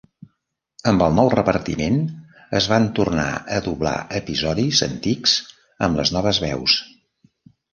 Amb el nou repartiment, es van tornar a doblar episodis antics amb les noves veus.